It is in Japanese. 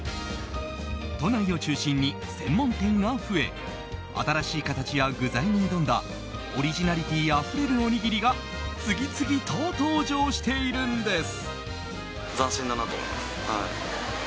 都内を中心に専門店が増え新しい形や具材に挑んだオリジナリティーあふれるおにぎりが次々と登場しているんです。